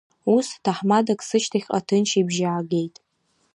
Ус, ҭаҳмадак сышьҭахьҟа ҭынч ибжьы аагеит…